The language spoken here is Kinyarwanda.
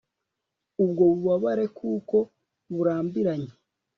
ubwo bubabare kuko burambiranye